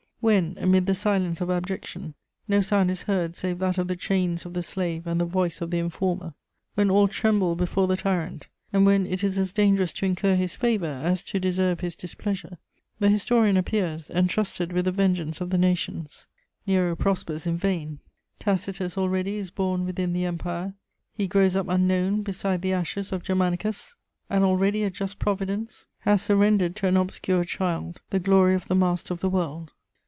] "When, amid the silence of abjection, no sound is heard save that of the chains of the slave and the voice of the informer; when all tremble before the tyrant, and when it is as dangerous to incur his favour as to deserve his displeasure, the historian appears, entrusted with the vengeance of the nations. Nero prospers in vain, Tacitus already is born within the Empire; he grows up unknown beside the ashes of Germanicus, and already a just Providence has surrendered to an obscure child the glory of the master of the world.